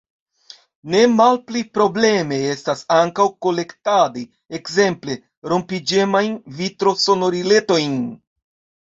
Ne malpli probleme estas ankaŭ kolektadi, ekzemple, rompiĝemajn vitrosonoriletojn.